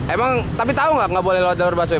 emang tapi tahu nggak boleh lo jalur bus pak